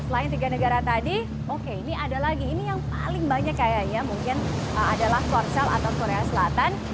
selain tiga negara tadi oke ini ada lagi ini yang paling banyak kayaknya mungkin adalah korsel atau korea selatan